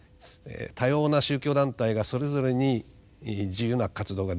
多様な宗教団体がそれぞれに自由な活動ができる。